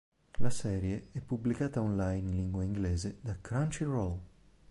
La serie è pubblicata online in lingua inglese da Crunchyroll.